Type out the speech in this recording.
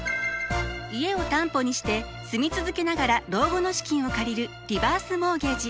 家を担保にして住み続けながら老後の資金を借りるリバースモーゲージ。